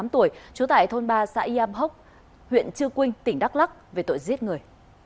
hai mươi tám tuổi chú tại thôn ba xã yàm hốc huyện chư quynh tỉnh đắk lắc về tội giết người